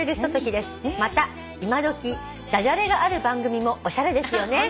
「また今どき駄じゃれがある番組もおしゃれですよね」